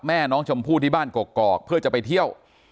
แม่น้องชมพู่ที่บ้านกกอกเพื่อจะไปเที่ยว